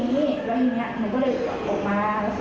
แล้วทีนี้หนูก็เลยออกมา